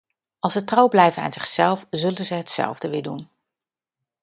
Als ze trouw blijven aan zichzelf zullen ze hetzelfde weer doen.